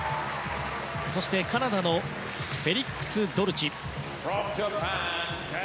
そしてカナダのフェリックス・ドルチ。